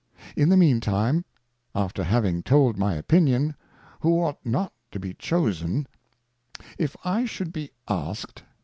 In the mean time, after having told my Opinion, Who ought not to be Chosen : If I should be ask'd.